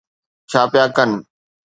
ڇا پيا ڪن.